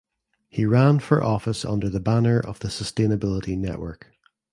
He ran for office under the banner of the Sustainability Network.